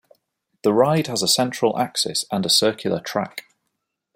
The ride has a central axis and a circular track.